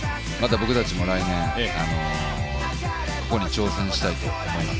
僕たちも来年、ここに挑戦したいと思います。